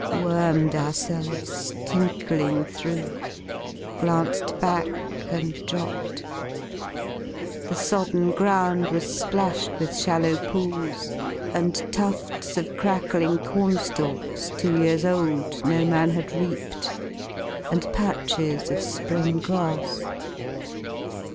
Wormed ourselves tmklmgthrough, glanced back, and dropped. The sodden ground was splashed with shallow pools, Jnd tufts of crackling cornUalks, two years old. No man had reaped, and patches of sprmg grass.